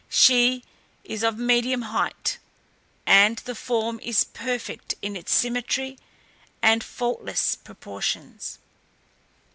She is of medium height, and the form is perfect in its symmetry and faultless proportions.